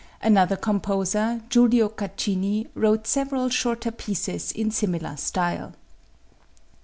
Another composer, Giulio Caccini, wrote several shorter pieces in similar style.